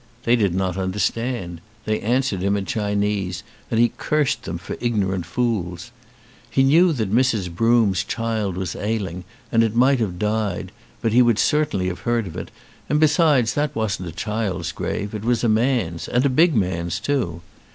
They did not understand. They answered him in Chinese and he cursed them for ignorant fools. He knew that Mrs. Broome's child was ailing and it might have died, but he would certainly have heard of it, and besides that wasn't a child's grave, it was a man's and a big man's too.